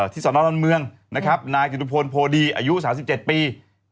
ที่สนรดรมืองนายจินตุพลโพธรีอายุ๓๗ปี